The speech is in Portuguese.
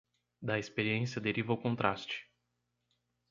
Da experiência deriva o contraste